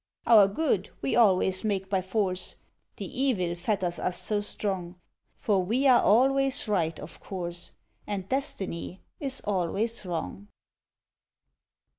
Our good we always make by force, The evil fetters us so strong; For we are always right, of course, And Destiny is always wrong.